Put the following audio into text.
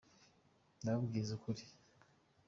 Ndababwiza ukuri